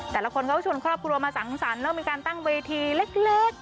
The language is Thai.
แต่ละคนก็ชวนครอบครัวมาสังสรรค์แล้วมีการตั้งเวทีเล็ก